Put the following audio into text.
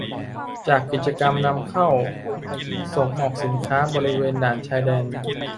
จากกิจกรรมนำเข้าส่งออกสินค้าบริเวณด่านชายแดน